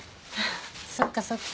そっかそっか。